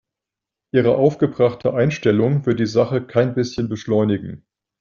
Ihre aufgebrachte Einstellung wird die Sache kein bisschen beschleunigen.